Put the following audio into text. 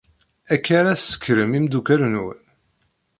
Akka ara tsekkrem imeddukal-nwen?